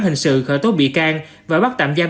hình sự khởi tố bị can và bắt tạm giam